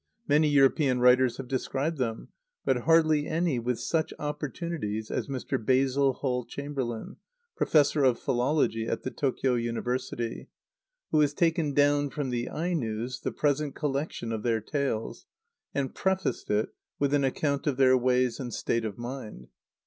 Many European writers have described them, but hardly any with such opportunities as Mr. Basil Hall Chamberlain, Professor of Philology at the Tōkyō University, who has taken down from the Ainos the present collection of their tales, and prefaced it with an account of their ways and state of mind.